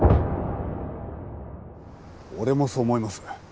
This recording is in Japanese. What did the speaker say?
俺もそう思います。